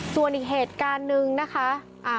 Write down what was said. ส่วนอีกเหตุการณ์หนึ่งนะคะ